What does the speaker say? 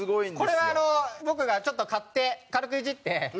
これは僕が買って軽くいじって。